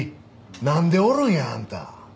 なんでおるんやあんた！